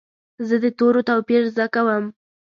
زه د تورو توپیر زده کوم.